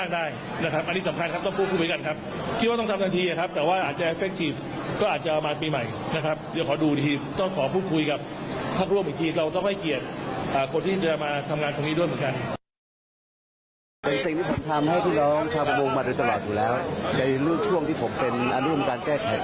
เดี๋ยวทันทีที่โปรดก้าวผมจะตั้งธรรมการร่วมกันถึง